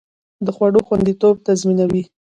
د خوړو خوندیتوب تضمینوي.